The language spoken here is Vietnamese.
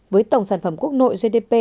với tổng sản phẩm quốc nội gdp